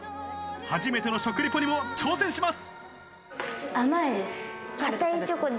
初めての食リポにも挑戦します。